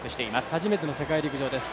初めての世界陸上です。